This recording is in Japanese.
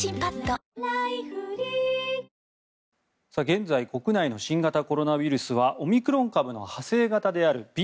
現在国内の新型コロナウイルスはオミクロン株の派生型であるＢＡ